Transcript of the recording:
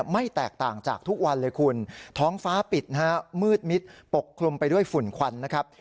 ไม่แตกต่างจากทุกวันเลยคุณท้องฟ้าปิดนะฮะมืดมิดปกคลุมไปด้วยฝุ่นควันนะครับ